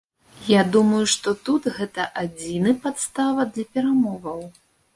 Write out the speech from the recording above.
Я думаю, што тут гэта адзіны падстава для перамоваў.